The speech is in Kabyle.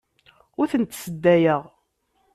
Ur tent-sseddayeɣ.